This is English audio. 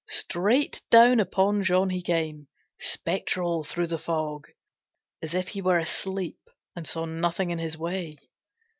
Straight down upon John he came, spectral through the fog, as if he were asleep, and saw nothing in his way.